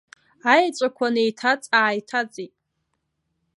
Аеҵәақәа неиҭаҵ-ааиҭаҵит.